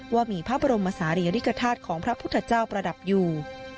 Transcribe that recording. ว่ามีพระบรมศาลีริกฐาตุของพระพุทธเจ้าประดับอยู่